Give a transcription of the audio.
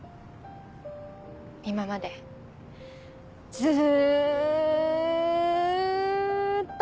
今までずっと。